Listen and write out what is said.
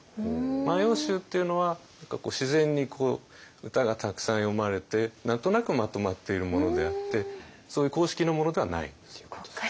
「万葉集」っていうのは自然に歌がたくさん詠まれて何となくまとまっているものであってそういう公式のものではないっていうことですよね。